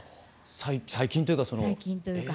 最近というか。